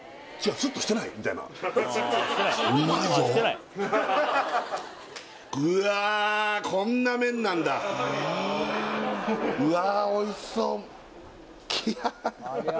スッとしてないみたいなうまいぞうわこんな麺なんだうわ